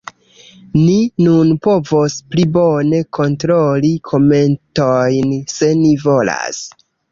Ni nun povos pli bone kontroli komentojn, se ni volas.